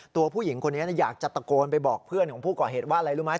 ตัวผู้หญิงคนนี้อยากจะตะโกนไปบอกเพื่อนของผู้ก่อเหตุว่าอะไรรู้ไหม